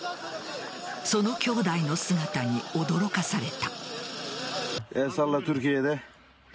その兄弟の姿に驚かされた。